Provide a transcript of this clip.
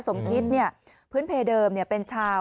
สมคิดเนี้ยพื้นเพเดิมเนี่ยเป็นชาว